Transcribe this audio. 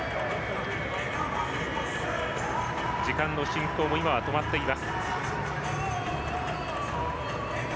時間の進行も今は止まっています。